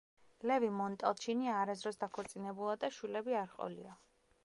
ლევი-მონტალჩინი არასდროს დაქორწინებულა და შვილები არ ჰყოლია.